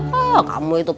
tidak apa mungkin rhonbal